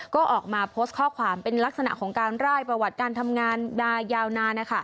ก็ออกมาโพสต์ข้อความเป็นลักษณะของการร่ายประวัติการทำงานมายาวนาน